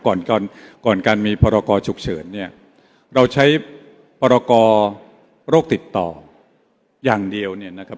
ก่อนก่อนการมีพรกรฉุกเฉินเนี่ยเราใช้พรกรโรคติดต่ออย่างเดียวเนี่ยนะครับ